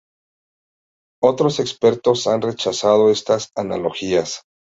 Otros expertos han rechazado estas analogías.